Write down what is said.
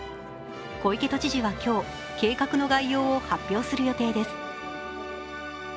小池都知事は今日、計画の概要を発表する予定です。